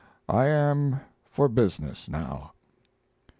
I am for business now.